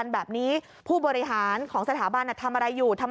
มันก็ไม่เหงาอย่างนั้นแหละครับ